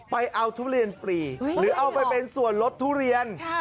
ไปเอาทุเรียนฟรีหรือเอาไปเป็นส่วนลดทุเรียน